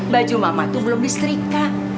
baju mama tuh belum listrika